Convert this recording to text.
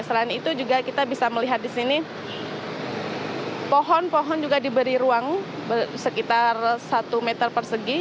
selain itu juga kita bisa melihat di sini pohon pohon juga diberi ruang sekitar satu meter persegi